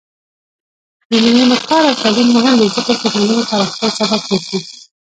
د میرمنو کار او تعلیم مهم دی ځکه چې ټولنې پراختیا سبب ګرځي.